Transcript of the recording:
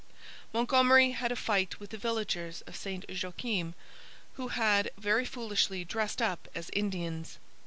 Montgomery had a fight with the villagers of St Joachim, who had very foolishly dressed up as Indians.